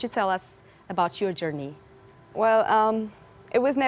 bisakah anda berbicara tentang perjalanan anda